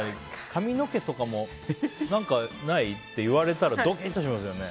髪の毛とかも何かない？って言われるとドキッとしますよね。